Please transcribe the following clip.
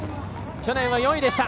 去年は４位でした。